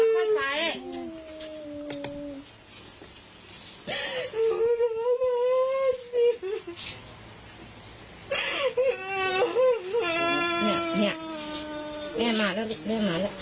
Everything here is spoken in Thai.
แม่มาแล้วลูกแม่มาแล้ว